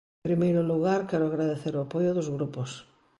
En primeiro lugar, quero agradecer o apoio dos grupos.